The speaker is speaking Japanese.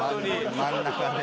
真ん中で。